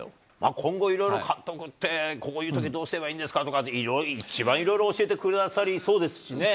今後いろいろ監督って、こういうときどうすればいいんですかって、一番いろいろ教えてくそうですね。